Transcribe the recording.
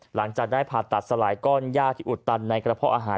หลังจากได้ผ่าตัดสลายก้อนย่าที่อุดตันในกระเพาะอาหาร